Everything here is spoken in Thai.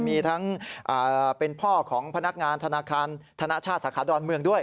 มีทั้งเป็นพ่อของพนักงานธนาคารธนชาติสาขาดอนเมืองด้วย